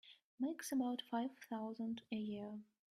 Makes about five thousand a year.